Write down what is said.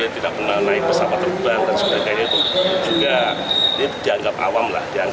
tidak pernah naik pesawat terbang dan sebagainya itu juga dianggap awam lah